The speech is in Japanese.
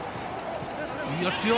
強い。